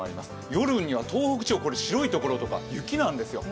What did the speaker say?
夜には東北地方、白いところは雪なんですよ。